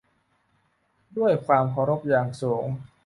ด้วยความเคารพอย่างสูง